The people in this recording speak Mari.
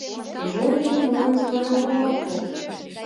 Дежурный, молан звонокым от пу?..